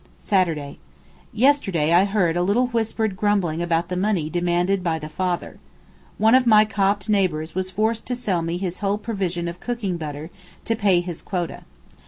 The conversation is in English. Saturday.—Yesterday I heard a little whispered grumbling about the money demanded by the 'Father.' One of my Copt neighbours was forced to sell me his whole provision of cooking butter to pay his quota.